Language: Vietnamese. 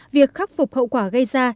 việc khắc phục hậu quả gây ra